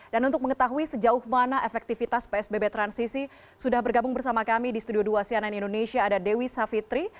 dan untuk mengetahui sejauh mana efektivitas psbb transisi sudah bergabung bersama kami di studio dua cnn indonesia ada dewi savitri